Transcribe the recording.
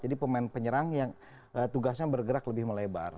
jadi pemain penyerang yang tugasnya bergerak lebih melebar